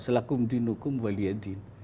selakum dinukum waliyadin